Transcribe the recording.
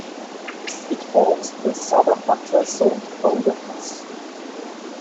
It forms the southern buttress of Boulder Pass.